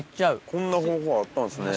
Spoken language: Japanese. こんな方法あったんですね。